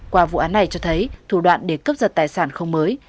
qua vụ án này cho thấy thủ đoạn để cướp giật tài sản không mới